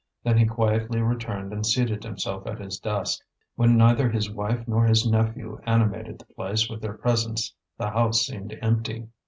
Then he quietly returned and seated himself at his desk. When neither his wife nor his nephew animated the place with their presence the house seemed empty.